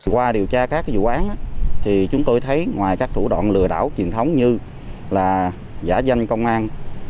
qua điều tra các vụ án thì chúng tôi thấy ngoài các thủ đoạn lừa đảo truyền thống như là giả danh công an